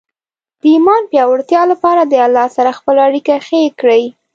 د ایمان پیاوړتیا لپاره د الله سره خپل اړیکه ښې کړئ.